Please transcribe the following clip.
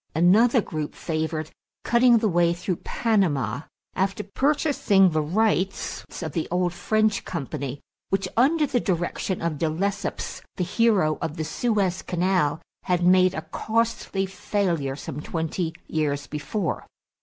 Another group favored cutting the way through Panama after purchasing the rights of the old French company which, under the direction of De Lesseps, the hero of the Suez Canal, had made a costly failure some twenty years before.